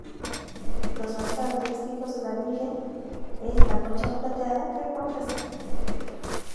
Lo más característico de la Virgen, es la concha plateada que procesiona.